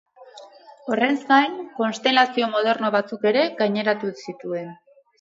Horrez gain konstelazio moderno batzuk ere gaineratu zituen.